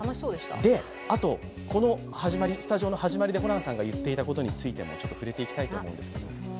あと、このスタジオの始まりにホランさんが言っていたことにもちょっと触れていきたいと思うんです。